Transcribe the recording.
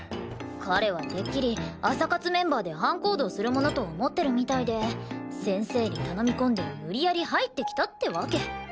彼はてっきり朝活メンバーで班行動するものと思ってるみたいで先生に頼み込んで無理やり入ってきたってわけ。